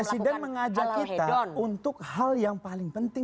presiden mengajak kita untuk hal yang paling penting